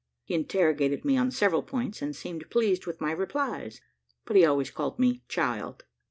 He interrogated me on several points, and seemed pleased with my replies; but he always called me "child."